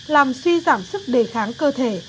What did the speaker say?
làm suy giảm sức đề kháng cơ thể